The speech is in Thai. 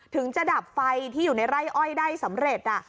ถึงจะดับไฟที่อยู่ในไร่อ้อยได้สำเร็จ